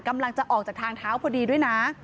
กำลังจะออกจากทางเท้าพอดีด้วยนะ